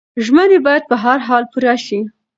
ژمنې باید په هر حال پوره شي.